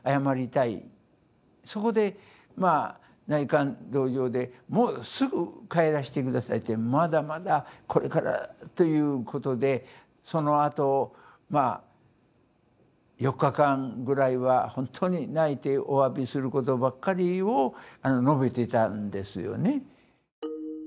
そこでまあ内観道場でもうすぐ帰らして下さいってまだまだこれからということでそのあとまあ４日間ぐらいは本当に泣いておわびすることばっかりを述べていたんですよね。